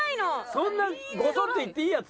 そんなゴソッといっていいやつ？